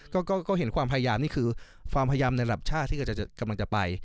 ก็เห็นความพยายามนี่คือความพยายามในระดับชาติที่กำลังจะไป